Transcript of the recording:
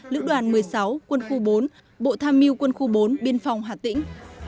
lữ đoàn một mươi sáu quân khu bốn bộ tham mưu quân khu bốn biên phòng hà tĩnh